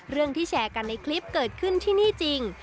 เรื่องที่แชร์กันในคลิปเกิดขึ้นที่นี่จริง